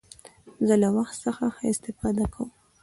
زه له وخت څخه ښه استفاده کوم.